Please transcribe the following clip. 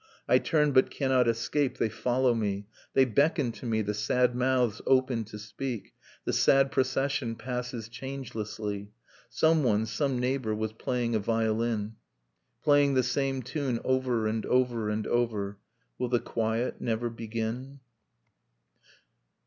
I turn, but cannot escape, they follow me. They beckon to me, the sad mouths open to speak, The sad procession passes changelessly. .. Someone, some neighbor, was playing a violin. Playing the same tune over and over and over. .. Will the quiet never begin